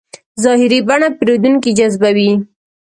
ظاهري بڼه پیرودونکی جذبوي.